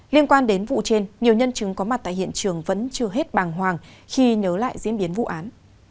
liên quan đến vụ trên nhiều nhân chứng có mặt tại hiện trường vẫn chưa hết bàng hoàng khi nhớ lại diễn biến vụ án